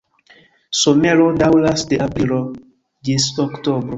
Somero daŭras de aprilo ĝis oktobro.